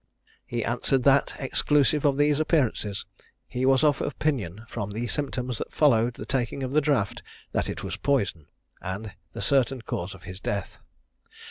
He answered, that, exclusive of these appearances, he was of opinion, from the symptoms that followed the taking of the draught, that it was poison, and the certain cause of his death.